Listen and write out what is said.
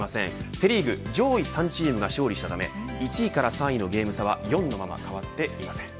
セ・リーグ上位３チームが勝利したため１位から３位のゲーム差は４のまま変わっていません。